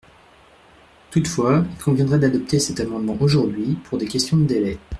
Toutefois, il conviendrait d’adopter cet amendement aujourd’hui pour des questions de délai.